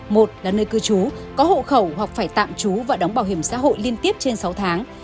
một là nơi cư trú có hộ khẩu hoặc phải tạm trú và đóng bảo hiểm xã hội liên tiếp trên sáu tháng